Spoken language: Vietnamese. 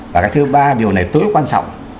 và cái thứ ba điều này tối quan trọng